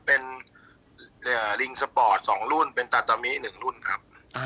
เป็นลิงสปอร์ต๒รุ่นเป็นตาตามิ๑รุ่นครับ